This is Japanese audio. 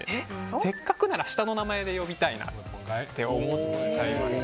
せっかくなら下の名前で呼びたいなって思っちゃう。